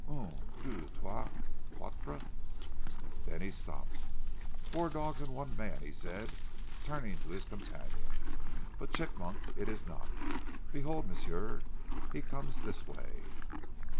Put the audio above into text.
"Un, deux, trois, quatre " Then he stopped. "Four dogs and one man," he said, turning to his companion. "But Chigmok it ees not. Behold, m'sieu, he comes dis way."